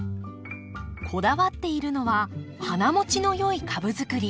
こだわっているのは花もちのよい株づくり。